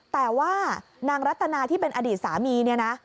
แต่ว่านางรัตนาที่เป็นอดีตสามีเนี่ยนะ